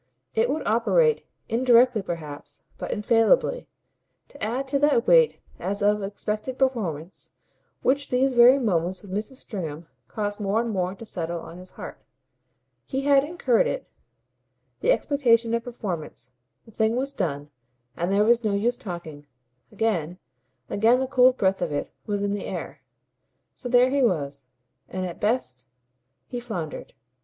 It would operate, indirectly perhaps, but infallibly, to add to that weight as of expected performance which these very moments with Mrs. Stringham caused more and more to settle on his heart. He had incurred it, the expectation of performance; the thing was done, and there was no use talking; again, again the cold breath of it was in the air. So there he was. And at best he floundered.